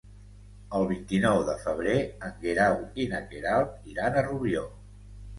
El vint-i-nou de febrer en Guerau i na Queralt iran a Rubió.